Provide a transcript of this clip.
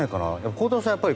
鋼太郎さん